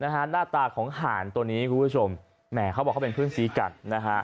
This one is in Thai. หน้าตาของหานตัวนี้คุณผู้ชมแหมเขาบอกเขาเป็นเพื่อนสีกันนะฮะ